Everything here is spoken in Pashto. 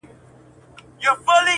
o په هره شپه پسي سهار سته!